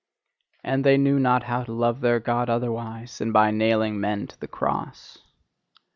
And they knew not how to love their God otherwise than by nailing men to the cross!